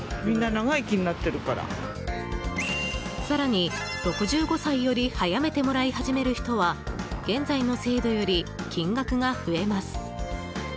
更に、６５歳より早めてもらい始める人は現在の制度より金額が増えます。